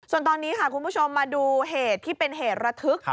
ส่วนตอนนี้ค่ะคุณผู้ชมมาดูเหตุที่เป็นเหตุระทึก